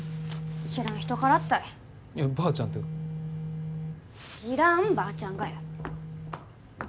知らん人からったいいや「ばーちゃん」って知らんばーちゃんがよ